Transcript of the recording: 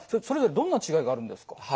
それぞれどんな違いがあるんですか？